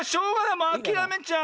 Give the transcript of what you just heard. もうあきらめちゃう。